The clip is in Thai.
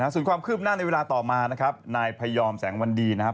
ส่วนความคืบหน้าในเวลาต่อมานะครับนายพยอมแสงวันดีนะครับ